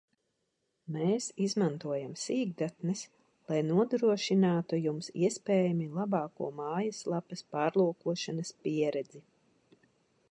Mēs izmantojam sīkdatnes, lai nodrošinātu Jums iespējami labāko mājaslapas pārlūkošanas pieredzi